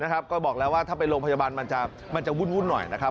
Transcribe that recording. ก็บอกแล้วว่าถ้าไปโรงพยาบาลมันจะวุ่นหน่อยนะครับ